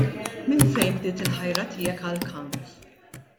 Minn fejn bdiet il-ħajra tiegħek għall-kant?